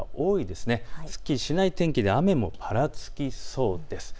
すっきりしない天気で雨もぱらつきそうです。